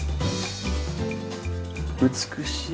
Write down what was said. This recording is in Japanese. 美しい。